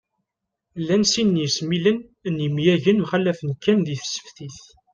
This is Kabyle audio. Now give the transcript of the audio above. Llan sin n yesmilen n yemyagen, mxallafen kan di tseftit